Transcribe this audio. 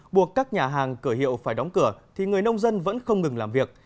buộc các nhà hàng cửa hiệu phải đóng cửa thì người nông dân vẫn không ngừng làm việc